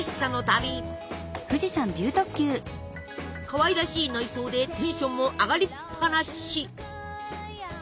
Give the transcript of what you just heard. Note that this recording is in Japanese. かわいらしい内装でテンションも上がりっぱなし！